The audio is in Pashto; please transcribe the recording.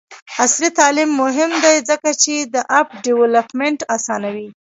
عصري تعلیم مهم دی ځکه چې د اپ ډیولپمنټ اسانوي.